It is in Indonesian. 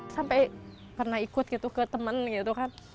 sampai pernah ikut gitu ke temen gitu kan